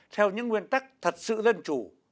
theo những nguyên tắc thật sự dân chủ